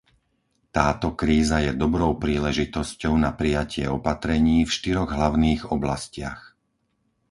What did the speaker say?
Táto kríza je dobrou príležitosťou na prijatie opatrení v štyroch hlavných oblastiach.